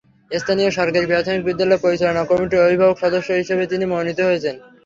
স্থানীয় সরকারি প্রাথমিক বিদ্যালয় পরিচালনা কমিটির অভিভাবক সদস্য হিসেবে তিনি মনোনীত হয়েছেন।